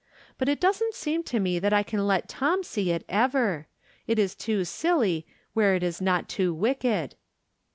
But it doesn't seem to me that I can let Tom see it, ever. It is too silly, where it is not too wicked.